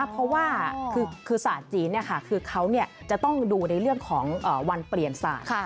เพราะว่าคือศาสตร์จีนคือเขาจะต้องดูในเรื่องของวันเปลี่ยนศาสตร์